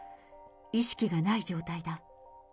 意識がない状態だ。